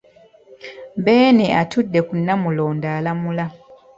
Beene atudde ku Namulondo alamula.